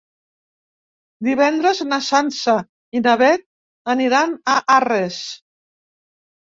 Divendres na Sança i na Beth aniran a Arres.